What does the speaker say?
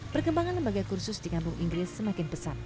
perkembangan lembaga kursus di kampung inggris semakin pesat